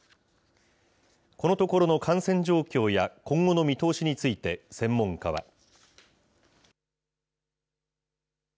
このところの感染状況や今後の見通しについて、専門家は。